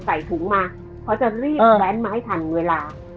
ใส่ถุงมาเขาจะรีบแว้นมาให้ทันเวลา